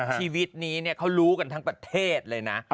ชีวิตนี้เขารู้กันทั้งประเทศเลยนะ